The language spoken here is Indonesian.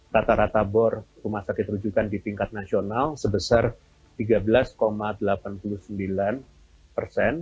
rata rata bor rumah sakit rujukan di tingkat nasional sebesar tiga belas delapan puluh sembilan persen